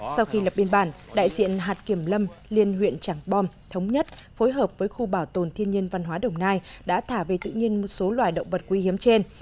sau khi lập biên bản đại diện hạt kiểm lâm liên huyện trảng bom thống nhất phối hợp với khu bảo tồn thiên nhiên văn hóa đồng nai đã thả về tự nhiên một số loài động vật quý hiếm trên